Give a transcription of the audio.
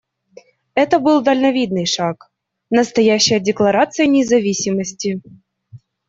Это был дальновидный шаг, настоящая декларация независимости.